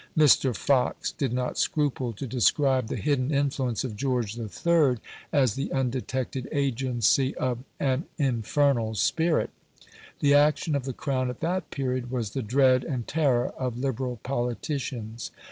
Mr. Fox did not scruple to describe the hidden influence of George III. as the undetected agency of "an infernal spirit". The action of the Crown at that period was the dread and terror of Liberal politicians.